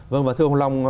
vâng và thưa ông long